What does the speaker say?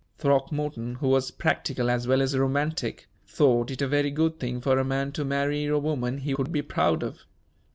Throckmorton, who was practical as well as romantic, thought it a very good thing for a man to marry a woman he could be proud of.